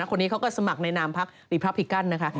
คนนี้เขาก็สมัครในนามพักรีพราพิกัลนะคะ